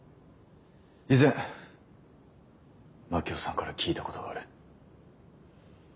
以前真樹夫さんから聞いたことがある。